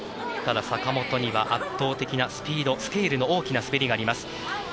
ただ、坂本には圧倒的なスピードやスケールの大きな滑りがあります。